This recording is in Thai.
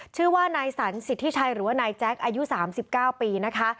ชื่อว่านายสันสิทธิชัยหรือว่านายแจ๊คอายุ๓๙ปีนะคะ